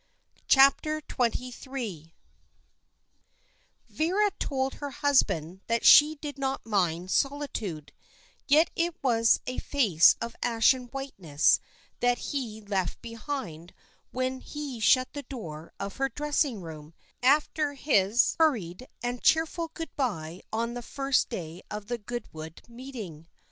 CHAPTER XXIII Vera told her husband that she did not mind solitude; yet it was a face of ashen whiteness that he left behind when he shut the door of her dressing room, after his hurried and cheerful good bye on the first day of the Goodwood meeting.